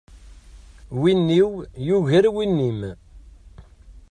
Win-iw yugar win-im.